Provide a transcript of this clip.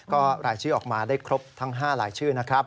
ก็รายชื่อออกมาได้ครบทั้ง๕รายชื่อนะครับ